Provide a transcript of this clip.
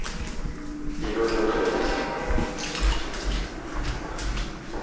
いろいろと言いますと？